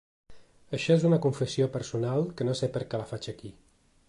Això és una confessió personal que no sé per què la faig aquí.